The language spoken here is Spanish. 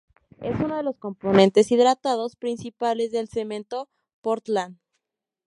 Es uno de los compuestos hidratados principales del cemento Portland.